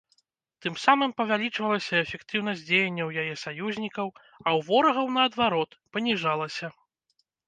Тым самым павялічвалася эфектыўнасць дзеянняў яе саюзнікаў, а ў ворагаў, наадварот, паніжалася.